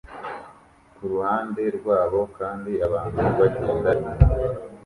kuruhande rwabo kandi abantu bagenda inyuma